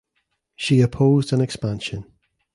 She opposed an expansion.